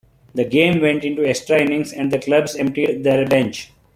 The game went into extra innings and the Cubs emptied their bench.